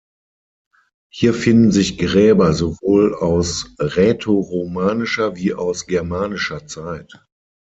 Hier finden sich Gräber sowohl aus rätoromanischer wie aus germanischer Zeit.